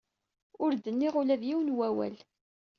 Ur d-nniɣ ula d yiwen n wawal.